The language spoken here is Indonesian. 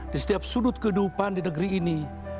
di setiap sudut kehidupan di negeri ini